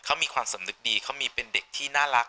เขามีความสำนึกดีเขามีเป็นเด็กที่น่ารัก